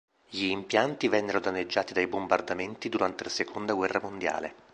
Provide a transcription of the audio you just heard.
Gli impianti vennero danneggiati dai bombardamenti durante la seconda guerra mondiale.